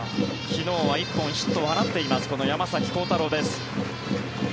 昨日は１本ヒットを放っているこの山崎晃大朗です。